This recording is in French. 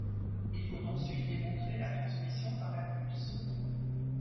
Il faut ensuite démontrer la transmission par la puce.